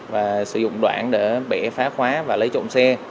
và sử dụng đoạn để bẻ phá khóa và lấy trộm xe